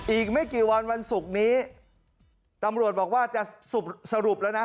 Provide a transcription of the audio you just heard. อีกไม่กี่วันวันศุกร์นี้ตำรวจบอกว่าจะสรุปแล้วนะ